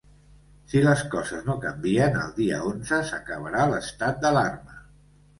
Si les coses no canvien, el dia onze s’acabarà l’estat d’alarma.